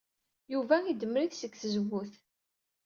Yuba idemmer-it seg tzewwut.